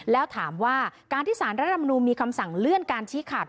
แล้วถามว่าการที่สารรัฐธรรมนูลมีคำสั่งเลื่อนการชี้ขาด